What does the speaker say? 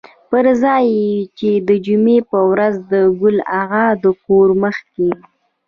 پر ځای و چې د جمعې په ورځ د ګل اغا د کور مخکې.